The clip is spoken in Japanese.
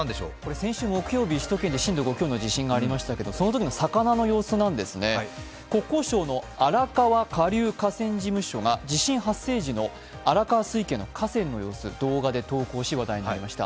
先週木曜日、首都圏で震度５強の地震がありましたけど国交省の荒川下流河川事務所が地震発生時の荒川水系の河川の様子を動画で投稿し、話題になりました。